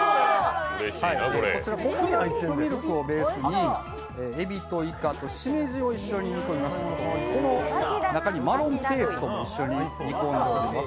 こちら、ココナッツミルクをベースにえびといかとしめじを一緒に煮込みましてこの中にマロンペーストも一緒に煮込んでおります。